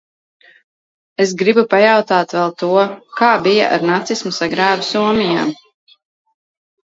Es gribu pajautāt vēl to: kā bija ar nacisma sagrāvi Somijā?